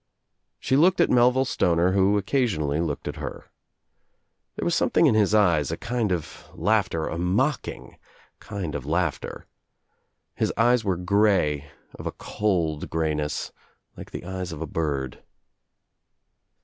She looked at Melville Stoner who occasionally looked at her. There was something in his eyes, a kind of laughter — a mocking kind of laughter. His eyes were grey, of a cold greyness, like the eyes of a bird.